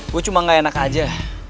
gue cuma gak enak aja